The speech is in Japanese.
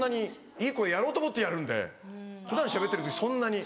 いい声やろうと思ってやるんで普段しゃべってる時そんなに。